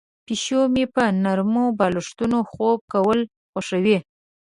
پیشو مې په نرمو بالښتونو خوب کول خوښوي.